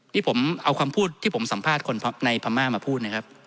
ที่ผมเอาความพูดที่ผมสัมภาษณ์คนในพม่ามาพูด